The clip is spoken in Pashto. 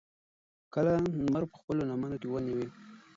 کله نمر پۀ خپلو لمنو کښې ونيوي